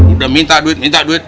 udah minta duit minta duit